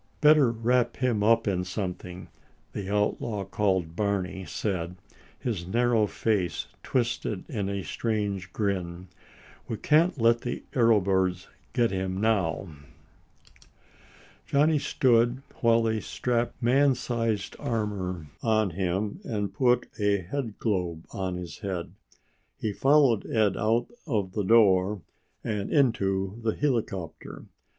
"Better wrap him up in something," the outlaw called Barney said, his narrow face twisted in a strange grin. "We can't let the arrow birds get him now." Johnny stood while they strapped man sized armor on him and put a headglobe on his head. He followed Ed out of the door and into the helicopter.